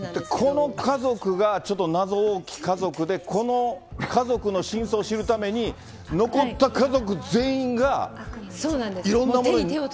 この家族が、ちょっと謎多き家族で、この家族の真相を知るために、残った家族全員が、いろんなものに。